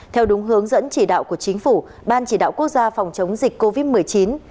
theo đúng hướng dẫn chỉ đạo của chính phủ ban chỉ đạo quốc gia phòng chống dịch covid một mươi chín